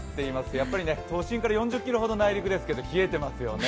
やっぱり都心から４０ｋｍほど内陸ですけど冷えてますよね。